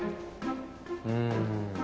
うん